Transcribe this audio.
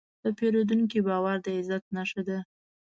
د پیرودونکي باور د عزت نښه ده.